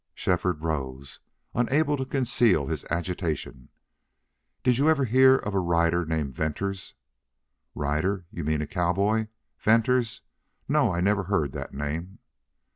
Shefford rose, unable to conceal his agitation. "Did you ever hear of a rider named Venters?" "Rider? You mean a cowboy? Venters. No, I never heard that name."